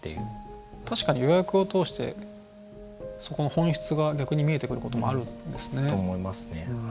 確かに予約を通してそこの本質が逆に見えてくることもあるんですね。と思いますね。